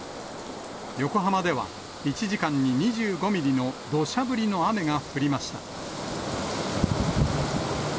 横浜では１時間に２５ミリの土砂降りの雨が降りました。